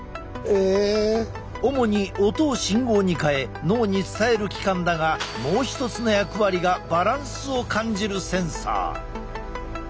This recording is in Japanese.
主に音を信号に変え脳に伝える器官だがもう一つの役割がバランスを感じるセンサー。